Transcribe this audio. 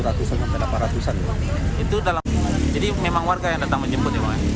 jadi memang warga yang datang menjemput